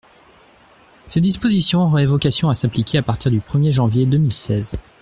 Ces dispositions auraient vocation à s’appliquer à partir du premier janvier deux mille seize.